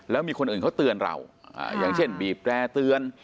แล้วมีคนอื่นเขาเตือนเราอย่างเช่นบีบแร่เตือน